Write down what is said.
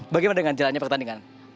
bagaimana dengan jalannya pertandingan